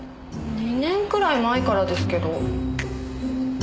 ２年くらい前からですけど。